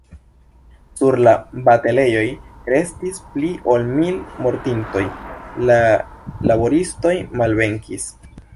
Sur la batalejoj restis pli ol mil mortintoj; la laboristoj malvenkis.